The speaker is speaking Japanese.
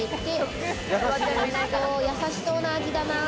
優しそうな味だな。